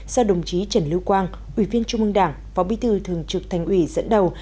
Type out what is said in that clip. do đồng chí trần lưu quang ubnd phó bí thư thường trực thành ủy dẫn đầu